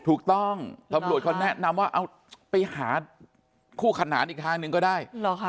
ถูกต้องตำรวจเขาแนะนำว่าไปหาคู่ขัดหนานอีกทางนึงก็ได้